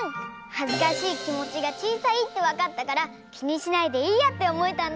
はずかしいきもちがちいさいってわかったからきにしないでいいやっておもえたんだ。